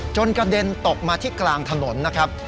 กระเด็นตกมาที่กลางถนนนะครับ